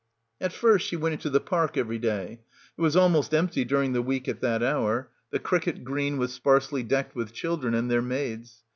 At first she went into the park every day. It was almost empty during the week at that hour. The cricket green was sparsely decked with chil dren and their maids.